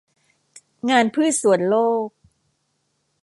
งานพืชสวนโลก